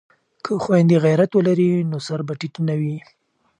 که خویندې غیرت ولري نو سر به ټیټ نه وي.